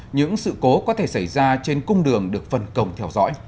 những sự cố có thể xảy ra trên cung đường được phân công theo dõi